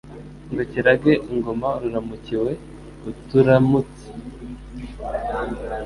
Ngo kirage ingoma Uraramukiwe uturamutse